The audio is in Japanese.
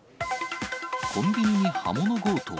コンビニに刃物強盗。